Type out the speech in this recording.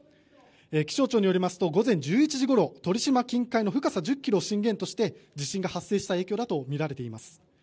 気象庁によりますと午前１１時ごろ鳥島近海の深さ１０ｋｍを震源として地震が発生した影響だとみられています。